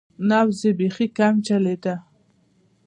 نبض یې بیخي کم چلیده.